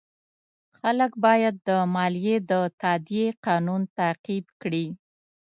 خلک باید د مالیې د تادیې قانون تعقیب کړي.